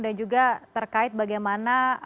dan juga terkait bagaimana